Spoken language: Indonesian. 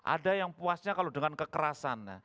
ada yang puasnya kalau dengan kekerasan